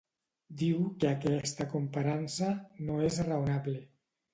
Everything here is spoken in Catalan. Diu que aquesta comparança ‘no és raonable’.